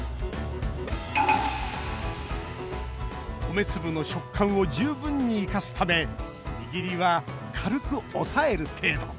コメ粒の食感を十分に生かすためにぎりは軽く押さえる程度。